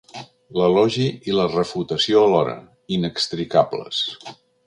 L'elogi i la refutació alhora, inextricables.